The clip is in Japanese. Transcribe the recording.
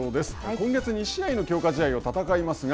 今月２試合の強化試合を戦いますが、